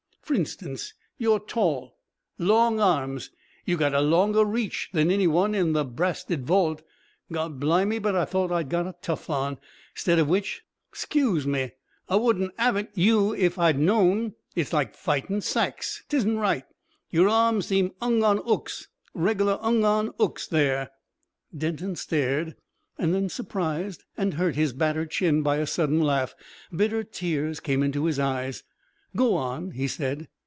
"F'r instance. You're tall. Long arms. You get a longer reach than any one in the brasted vault. Gobblimey, but I thought I'd got a Tough on. 'Stead of which ... 'Scuse me. I wouldn't have 'it you if I'd known. It's like fighting sacks. 'Tisn' right. Y'r arms seemed 'ung on 'ooks. Reg'lar 'ung on 'ooks. There!" Denton stared, and then surprised and hurt his battered chin by a sudden laugh. Bitter tears came into his eyes. "Go on," he said.